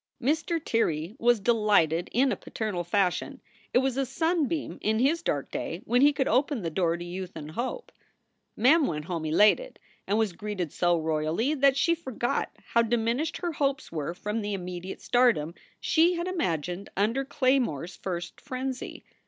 Mr. Tirrey was delighted in a paternal fashion. It was a sunbeam in his dark day when he could open the door to youth and hope. Mem went home elated, and was greeted so royally that she forgot how diminished her hopes were from the immediate stardom she had imagined under Claymore s first frenzy.